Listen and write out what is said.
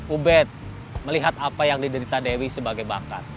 ubed melihat apa yang diderita dewi sebagai bakat